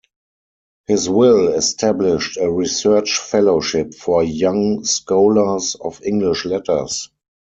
His will established a research fellowship for young scholars of English Letters.